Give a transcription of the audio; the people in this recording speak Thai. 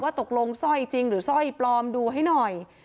ตกลงสร้อยจริงหรือสร้อยปลอมดูให้หน่อย